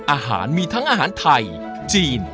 อาหารมีทั้งอาหารไทยจีน